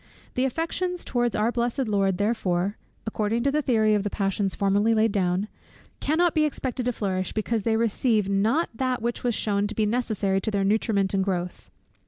The affections towards our blessed Lord therefore (according to the theory of the passions formerly laid down) cannot be expected to flourish, because they receive not that which was shewn to be necessary to their nutriment and growth.